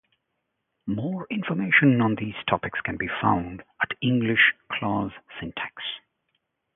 More information on these topics can be found at English clause syntax.